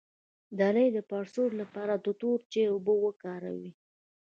د لۍ د پړسوب لپاره د تور چای اوبه وکاروئ